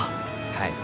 はい。